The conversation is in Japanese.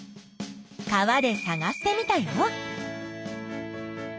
川でさがしてみたよ。